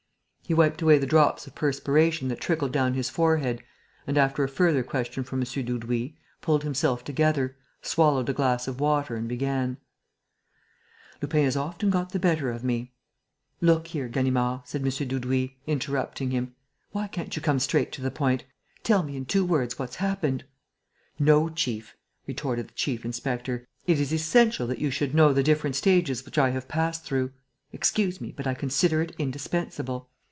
He wiped away the drops of perspiration that trickled down his forehead and, after a further question from M. Dudouis, pulled himself together, swallowed a glass of water and began: "Lupin has often got the better of me...." "Look here, Ganimard," said M. Dudouis, interrupting him. "Why can't you come straight to the point? Tell me, in two words, what's happened." "No, chief," retorted the chief inspector, "it is essential that you should know the different stages which I have passed through. Excuse me, but I consider it indispensable."